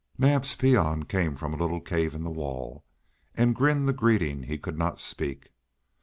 Naab's peon came from a little cave in the wall; and grinned the greeting he could not speak.